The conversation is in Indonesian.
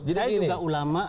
saya juga ulama